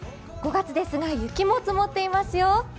５月ですが、雪も積もっていますよ。